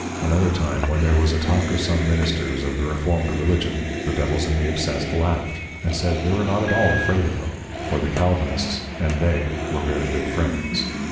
Another time when there was a talk of some Ministers of the Reformed Religion, the Devils in the Obsessed laughed and said, they were not at all afraid of them, for the Calvinists and they were very good Friends.